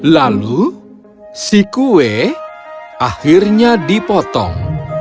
lalu si kue akhirnya dipotong